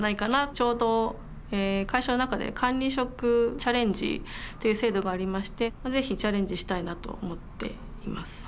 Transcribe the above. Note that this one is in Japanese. ちょうど会社の中で「管理職チャレンジ」という制度がありまして是非チャレンジしたいなと思っています。